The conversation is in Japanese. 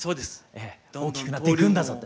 ええ大きくなっていくんだぞって。